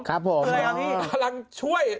กำลังช่วย